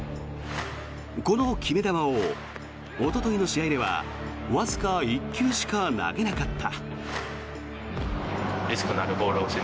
この決め球をおとといの試合ではわずか１球しか投げなかった。